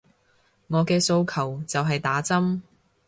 我嘅訴求就係打針